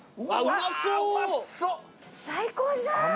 最高じゃん！